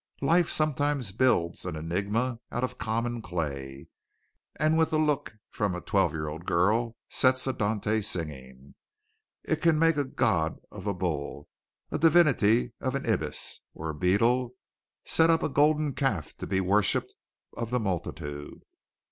Life sometimes builds an enigma out of common clay, and with a look from a twelve year old girl, sets a Dante singing. It can make a god of a bull, a divinity of an ibis, or a beetle, set up a golden calf to be worshipped of the multitude.